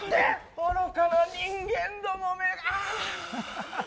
愚かな人間どもめが！